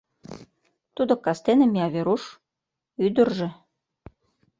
Тудо кастене мия, Веруш — ӱдыржӧ.